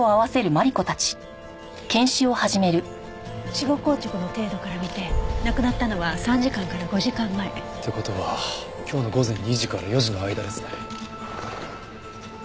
死後硬直の程度から見て亡くなったのは３時間から５時間前。って事は今日の午前２時から４時の間ですね。